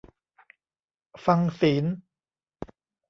ฟังศีล